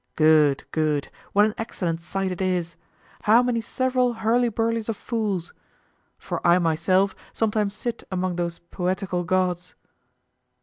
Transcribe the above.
Good, good! what an excellent sight it is! How many several hurly burlies of fools! for I myself sometimes sit among those poetical gods.